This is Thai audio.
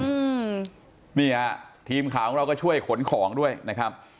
อืมนี่ฮะทีมข่าวของเราก็ช่วยขนของด้วยนะครับ